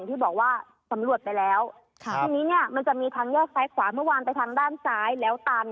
ที่บอกว่าสำรวจไปแล้วทีนี้เนี่ยมันจะมีทางแยกซ้ายขวาเมื่อวานไปทางด้านซ้ายแล้วตัน